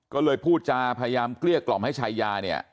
ก็เลยพูดจาพยายามเกลี้ยกล่อมให้ชายาเนี่ย